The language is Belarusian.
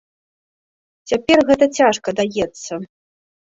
Цяпер гэта цяжка даецца.